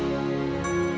sampai jumpa lagi